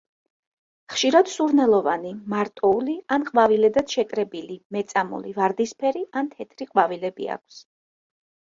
ხშირად სურნელოვანი, მარტოული ან ყვავილედად შეკრებილი, მეწამული, ვარდისფერი ან თეთრი ყვავილები აქვს.